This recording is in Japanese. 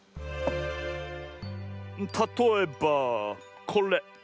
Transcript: たとえばこれ！